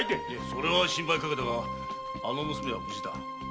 それは心配かけたがあの娘は無事だ。